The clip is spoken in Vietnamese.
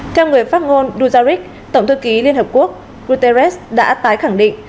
theo người phát ngôn duzaric tổng thư ký liên hợp quốc guterres đã tái khẳng định